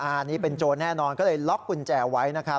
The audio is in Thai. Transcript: อ่านี่เป็นโจรแน่นอนก็เลยล็อกกุญแจไว้